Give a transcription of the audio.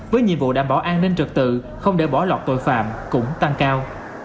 với nhiệm vụ đảm bảo an ninh trật tự không để bỏ lọt tội phạm cũng tăng cao